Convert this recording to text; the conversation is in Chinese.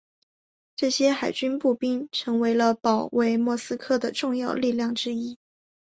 这些海军步兵成为了保卫莫斯科的重要力量之一。